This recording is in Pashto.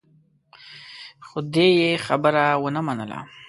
خو دې يې خبره ونه منله.